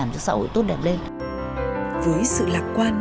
với sự lạc quan